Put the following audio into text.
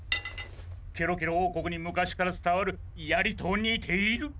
ケロケロおうこくにむかしからつたわるやりとにている。